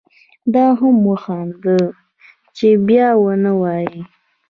ده هم وخندل چې بیا و نه وایې.